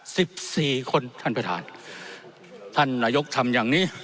สิบสี่คนท่านประธานท่านนายกทำอย่างนี้